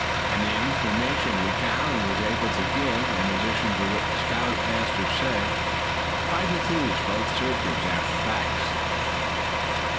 And the information which Allan was able to give, in addition to what the scoutmaster said, quite enthused both searchers after facts.